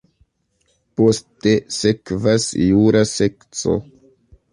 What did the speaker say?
Poste sekvas jura sekco.